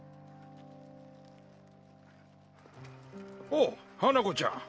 おう花子ちゃん。